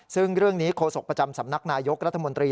ซึ่งเรื่องนี้โฆษกประจำสำนักนายกรัฐมนตรี